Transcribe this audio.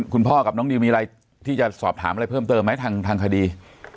คุณพ่อกับน้องนิวมีอะไรที่จะสอบถามอะไรเพิ่มเติมไหมทางคดี